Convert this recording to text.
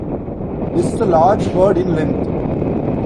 This is a large bird, in length.